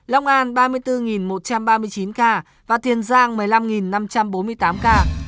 đồng nai sáu mươi một một trăm ba mươi chín ca tiền giang một mươi năm năm trăm bốn mươi tám ca